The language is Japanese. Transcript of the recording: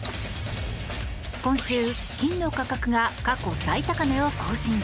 今週、金の価格が過去最高値を更新。